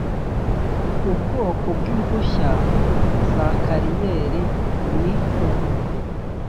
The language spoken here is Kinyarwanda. ubwoko bw’impushya za kariyeri ni ubu